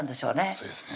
そうですね